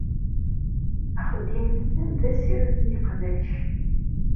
Axeddim-nsen d assired n yeqbac.